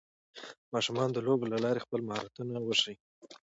ماشومان د لوبو له لارې خپل مهارتونه وښيي